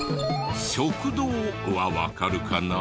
「食道」はわかるかな？